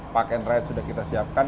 park and ride sudah kita siapkan